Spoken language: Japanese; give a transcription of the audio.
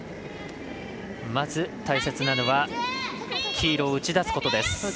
まず、大切なのは黄色を打ち出すことです。